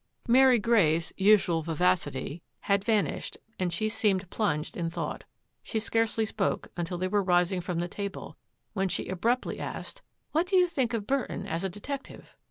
Mary Grey's usual vivacity had vanished, and she seemed plunged in thought. She scarcely spoke imtil they were rising from the table when she abruptly asked, " What do you think of Burton as a detective?